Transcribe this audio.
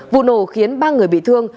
vụ nổ khiến ba người bị thương